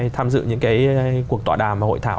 tham dự những cái cuộc tỏa đàm và hội thảo